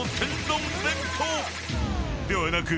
［ではなく］